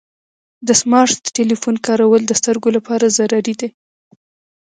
د سمارټ ټلیفون ډیر کارول د سترګو لپاره ضرري دی.